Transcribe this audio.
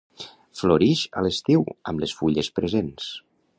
Florix a l'estiu amb les fulles presents.